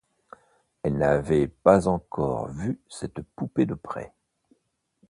Elle n’avait pas encore vu cette poupée de près.